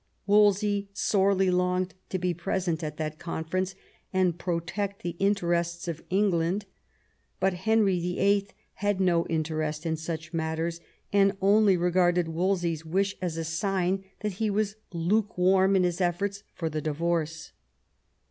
Wolsey sorely longed to be present at that conference and pro tect the interests of England ; but Henry VIIL had no interest in such matters, and only regarded Wolsey's wish as a sign that he was lukewarm in his efforts for the divorce.